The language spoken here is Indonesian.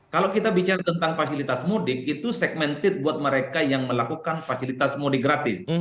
kalau kita bicara tentang fasilitas mudik itu segmented buat mereka yang melakukan fasilitas mudik gratis